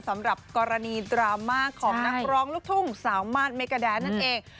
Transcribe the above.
สำหรับกรณีดราม่าของนักร้องลูกทุ่งสาวมาสเมกาแดนนั่นเอง